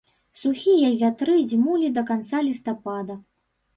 Сухія вятры дзьмулі да канца лістапада.